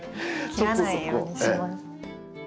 切らないようにします。